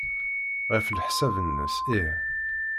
Ɣef leḥsab-nnes, ih.